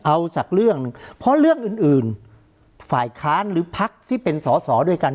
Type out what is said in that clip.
เอาสักเรื่องหนึ่งเพราะเรื่องอื่นอื่นฝ่ายค้านหรือพักที่เป็นสอสอด้วยกัน